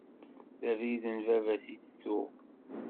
D abrid n baba-s i tuɣ.